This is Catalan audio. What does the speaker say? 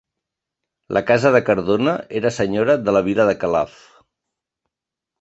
La casa de Cardona era senyora de la vila de Calaf.